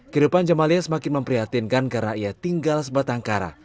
kehidupan jamalia semakin memprihatinkan karena ia tinggal sebatang kara